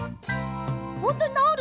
ほんとになおる？